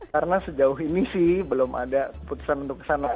karena sejauh ini sih belum ada putusan untuk kesana